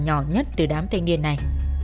nhỏ nhất từ đám thanh niên này